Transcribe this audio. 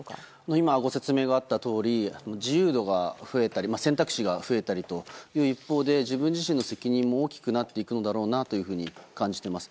今ご説明があったとおり自由度が増えたり選択肢が増えたりという一方で自分自身の責任も大きくなっていくんだろうなと感じています。